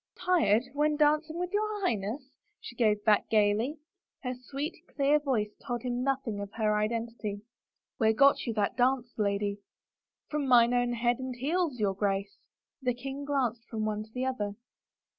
" Tired — when dancing with your Highness ?" she gave gayly back. Her sweet, clear voice told him noth ing of her identity. " Where got you that dance, lady ?"" From mine own head and heels, your Grace." The king glanced from one to the other.